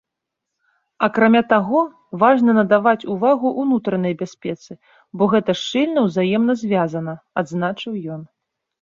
Акрамя таго, важна надаваць увагу ўнутранай бяспецы, бо гэта шчыльна ўзаемна звязана, адзначыў ён.